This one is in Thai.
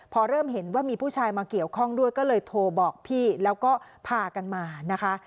พอเริ่มเห็นว่ามีผู้ชายมาเกี่ยวข้องด้วยก็เลยโทรบอกพี่แล้วก็พากันมานะคะ